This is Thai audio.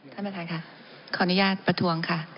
ท่านประธานค่ะขออนุญาตประท้วงค่ะ